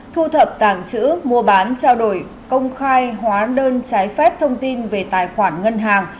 thu thập tàng trữ mua bán trao đổi công khai hóa đơn trái phép thông tin về tài khoản ngân hàng